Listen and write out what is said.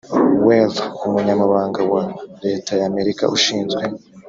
wirth, umunyamabanga wa leta y'amerika ushinzwe